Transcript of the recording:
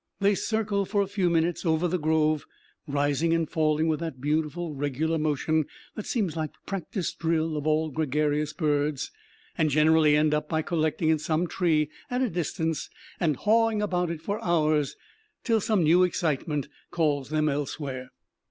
They circle for a few minutes over the grove, rising and falling with that beautiful, regular motion that seems like the practice drill of all gregarious birds, and generally end by collecting in some tree at a distance and hawing about it for hours, till some new excitement calls them elsewhere.